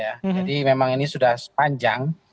jadi memang ini sudah sepanjang